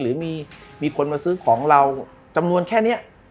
หรือมีคนมาซื้อของเราจำนวนแค่นี้